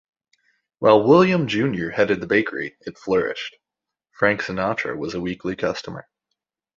While William Junior headed the bakery, it flourished; Frank Sinatra was a weekly customer.